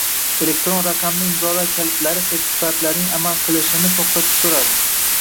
elektron raqamli imzolar kalitlari sertifikatlarining amal qilishini to‘xtatib turadi